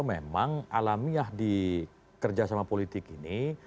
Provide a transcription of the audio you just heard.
memang alamiah di kerja sama politik ini